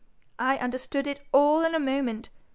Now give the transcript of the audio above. I understood it all in a moment.